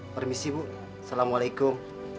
permisi bu assalamualaikum